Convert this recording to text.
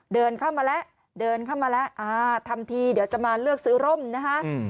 เดินเข้ามาแล้วเดินเข้ามาแล้วอ่าทำทีเดี๋ยวจะมาเลือกซื้อร่มนะคะ